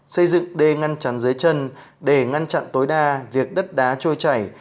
xây dựng để ngăn chặn dưới chân để ngăn chặn tối đa việc đất đá trôi chảy